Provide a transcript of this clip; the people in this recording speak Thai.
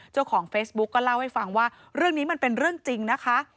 เจ้าของเฟซบุ๊กก็เล่าให้ฟังว่าเรื่องนี้มันเป็นเรื่องจริงนะคะ